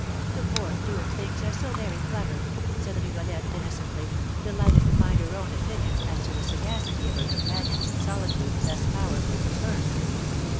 The poor, dear things are so very clever," said Rigolette, innocently, delighted to find her own opinion as to the sagacity of her companions in solitude thus powerfully confirmed.